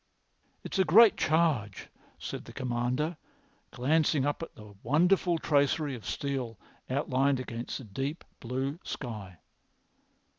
"It's a great charge," said the Commander, glancing up at the wonderful tracery of steel outlined against the deep blue sky.